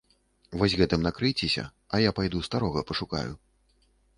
Вось гэтым накрыйцеся, а я пайду старога пашукаю.